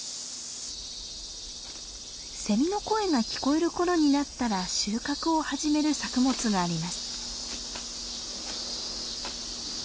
セミの声が聞こえる頃になったら収穫を始める作物があります。